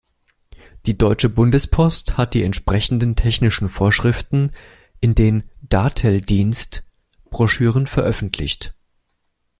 Die Deutsche Bundespost hat die entsprechenden technischen Vorschriften in den "Datel-Dienst"-Broschüren veröffentlicht.